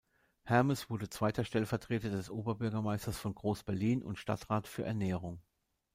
Hermes wurde zweiter Stellvertreter des Oberbürgermeisters von Groß-Berlin und Stadtrat für Ernährung.